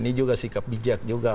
ini juga sikap bijak juga